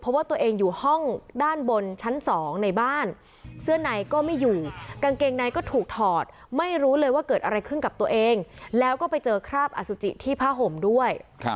เพราะว่าตัวเองอยู่ห้องด้านบนชั้น๒ในบ้านเสื้อในก็ไม่อยู่กางเกงในก็ถูกถอดไม่รู้เลยว่าเกิดอะไรขึ้นกับตัวเองแล้วก็ไปเจอคราบอสุจิที่ผ้าห่มด้วย